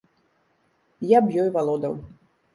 Я б ёй валодаў.